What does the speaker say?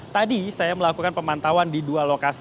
tadi saya melakukan pemantauan di dua lokasi